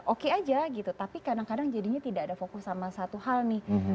oke aja gitu tapi kadang kadang jadinya tidak ada fokus sama satu hal nih